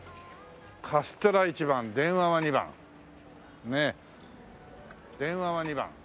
「カステラ一番電話は二番」ねえ「電話は二番」。